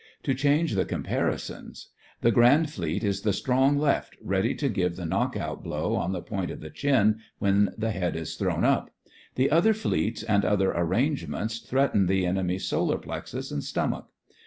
To change the comparisons: the Grand Fleet is the "strong left" ready to give the knockout blow on the point of the chin when the head is thrown up. The other fleets and other arrange ments threaten the enemy's solar plexus and stomach.